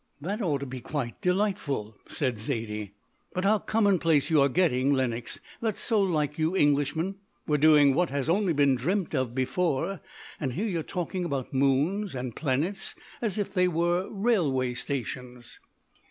"That ought to be quite delightful," said Zaidie. "But how commonplace you are getting, Lenox. That's so like you Englishmen. We are doing what has only been dreamt of before, and here you are talking about moons and planets as if they were railway stations."